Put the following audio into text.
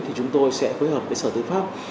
thì chúng tôi sẽ phối hợp với sở tư pháp